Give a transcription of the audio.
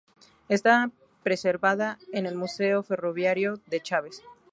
Está preservada en el Museo Ferroviario de Chaves.